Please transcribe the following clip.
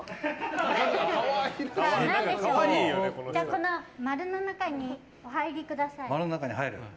この丸の中にお入りください。